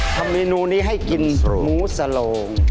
ทำเมนูนี้ให้กินหมูสโลง